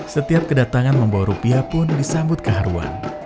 setiap kedatangan membawa rupiah pun disambut keharuan